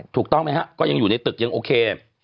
ถูกต้องมั้ยครับก็ยังอยู่ในตึกยังโอเค